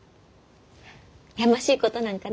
やましいことなんかね